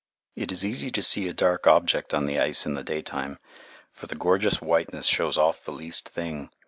It is easy to see a dark object on the ice in the daytime, for the gorgeous whiteness shows off the least thing.